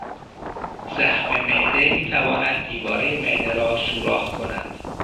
زخم معده میتواند دیوارهی معده را سوراخ کند